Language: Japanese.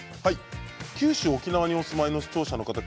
九州、沖縄にお住まいの視聴者の皆さん